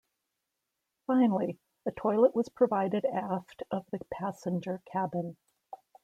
Finally, a toilet was provided aft of the passenger cabin.